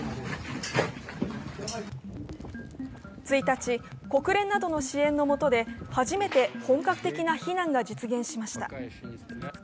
１日、国連などの支援の下で、初めて本格的な避難が実現しました。